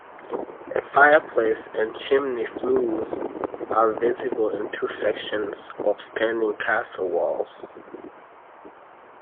A fireplace and chimney flues are visible and two sections of standing castle walls.